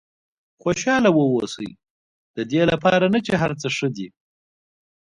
خوشاله واوسئ ددې لپاره نه چې هر څه ښه دي.